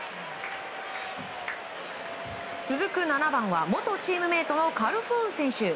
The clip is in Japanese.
続く７番は、元チームメートのカルフーン選手。